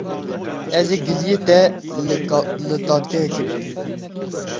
Ez ê giliyê te li dadgehekê bikim.